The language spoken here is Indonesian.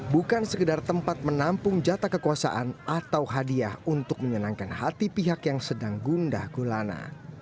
bukan sekedar tempat menampung jata kekuasaan atau hadiah untuk menyenangkan hati pihak yang sedang gundah gulana